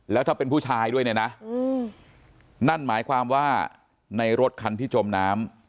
แล้วถ้าเป็นผู้ชายด้วยเนี่ยนะนั่นหมายความว่าในรถคันที่จมน้ำ